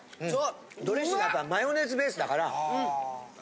ドレッシングがマヨネーズベースだから。